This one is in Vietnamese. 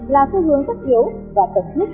là xu hướng thất yếu và tầm thức